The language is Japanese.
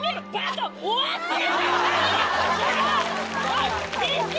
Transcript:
おい！